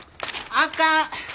あかん。